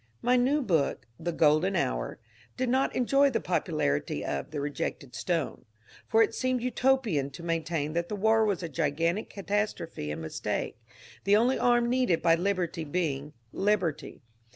My new book, " The Golden Hour, did not enjoy the popu larity of " The Rejected Stone," for it seemed Utopian to main tain that the war was a gigantic catastrophe and mistake, the only arm needed by Liberty being — Liberty.